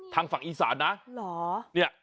ทางฝั่งอีสานนะ